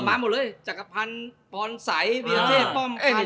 มาพอเลยจักรพรรณพรศัยวิลาเทศป้อมกัน